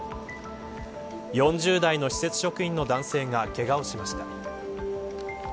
４０代の施設職員の男性がけがをしました。